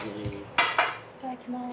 いただきます。